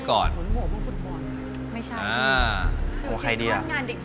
โค่ใครดีอะ